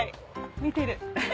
見てる。